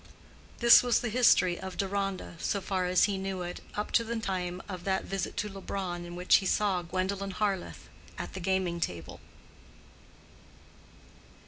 This was the history of Deronda, so far as he knew it, up to the time of that visit to Leubronn in which he saw Gwendolen Harleth at the gaming table.